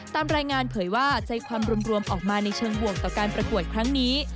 ตามรายงานเผยว่าใจความรวมออกมาในเชิงบวกต่อการประกวดครั้งนี้